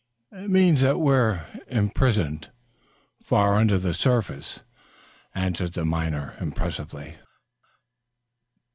"That we are imprisoned far under the surface," answered the miner impressively.